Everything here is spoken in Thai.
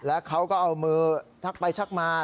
แล้วเขาก็เอามือทักไปชักมา